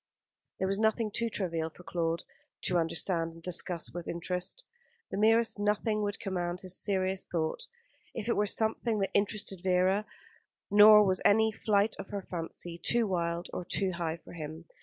There was nothing too trivial for Claude to understand and discuss with interest. The merest nothing would command his serious thought, if it were something that interested Vera; nor was any flight of her fancy too wild or too high for him.